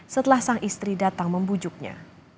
setelah sang istri datang membujuknya